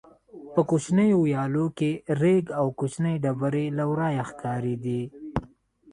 په کوچنیو ویالو کې رېګ او کوچنۍ ډبرې له ورایه ښکارېدې.